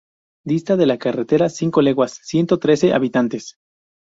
Dista de la cabecera cinco leguas; ciento trece habitantes.